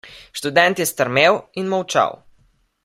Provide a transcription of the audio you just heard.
Študent je strmel in molčal.